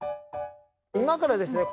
今からですね